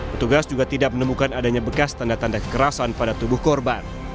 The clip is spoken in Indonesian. petugas juga tidak menemukan adanya bekas tanda tanda kekerasan pada tubuh korban